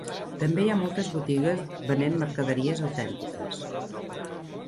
També hi ha moltes botigues venent mercaderies autèntiques.